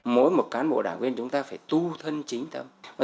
mỗi một cán bộ đảng viên chúng ta phải tu thân chính tâm